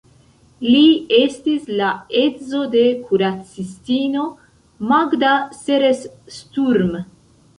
Li estis la edzo de kuracistino Magda Seres-Sturm.